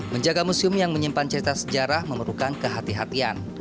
menjaga museum yang menyimpan cerita sejarah memerlukan kehatian